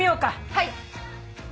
はい。